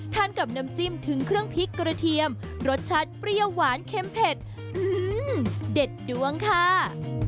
กับน้ำจิ้มถึงเครื่องพริกกระเทียมรสชาติเปรี้ยวหวานเข้มเผ็ดเด็ดดวงค่ะ